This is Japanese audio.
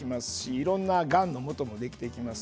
いろんながんのもともできます。